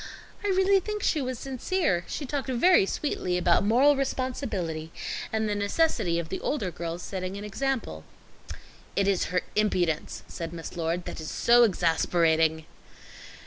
I really think she was sincere. She talked very sweetly about moral responsibility, and the necessity of the older girls setting an example." "It is her impudence," said Miss Lord, "that is so exasperating."